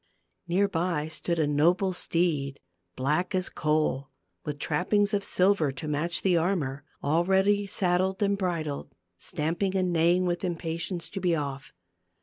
Near by stood a noble steed, black as coal, with trappings of silver to match the armor, all ready saddled and bridled, stamping and neighing with impatience to be off.